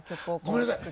ごめんなさい